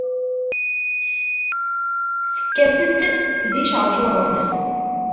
Tekkat-d d iceṛcuren.